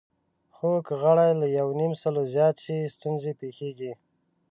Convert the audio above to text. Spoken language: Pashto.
خو که غړي له یونیمسلو زیات شي، ستونزې پېښېږي.